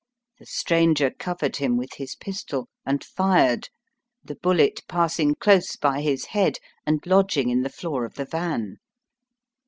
The stranger covered him with his pistol, and fired, the bullet passing close by his head and lodging in the floor of the van.